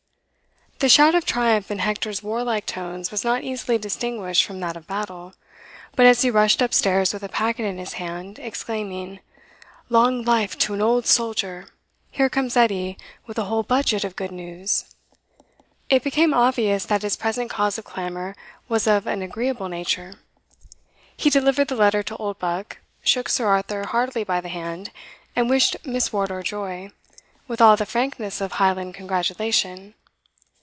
The shout of triumph in Hector's warlike tones was not easily distinguished from that of battle. But as he rushed up stairs with a packet in his hand, exclaiming, "Long life to an old soldier! here comes Edie with a whole budget of good news!" it became obvious that his present cause of clamour was of an agreeable nature. He delivered the letter to Oldbuck, shook Sir Arthur heartily by the hand, and wished Miss Wardour joy, with all the frankness of Highland congratulation.